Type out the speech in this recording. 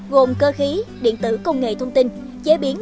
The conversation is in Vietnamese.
gồm cơ khí điện tử công nghệ thông tin chế biến